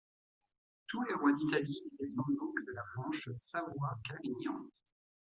Tous les rois d'Italie descendent donc de la branche Savoie-Carignan.